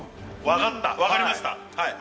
分かった分かりました。